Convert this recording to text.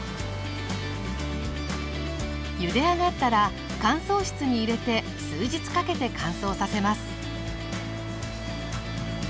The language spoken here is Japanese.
ゆで上がったら乾燥室に入れて数日かけて乾燥させます。